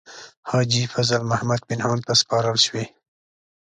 حاجي فضل محمد پنهان ته سپارل شوې.